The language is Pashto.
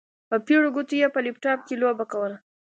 په پېړو ګوتو يې په لپټاپ کې لوبه کوله.